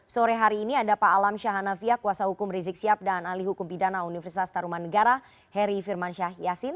sore hari ini ada pak alam syahanavia kuasa hukum rizik sihab dan ahli hukum pidana universitas taruman negara heri firmansyah yasin